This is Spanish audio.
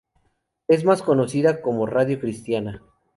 Es más conocida como Radio Cristiana.